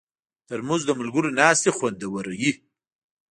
ترموز د ملګرو ناستې خوندوروي.